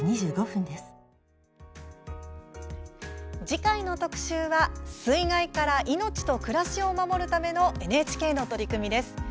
次回の特集は水害から命と暮らしを守るためのＮＨＫの取り組みです。